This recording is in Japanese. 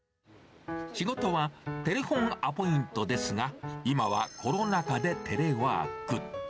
仕事はテレフォンアポイントですが、今はコロナ禍でテレワーク。